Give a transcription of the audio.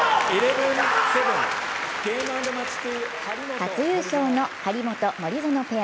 初優勝の張本・森薗ペア。